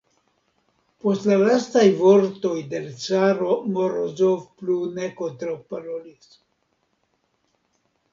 Post la lastaj vortoj de l' caro Morozov plu ne kontraŭparolis.